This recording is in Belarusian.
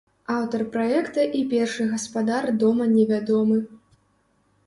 Аўтар праекта і першы гаспадар дома не вядомы.